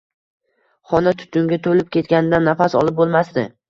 Xona tutunga to`lib ketganidan nafas olib bo`lmasdi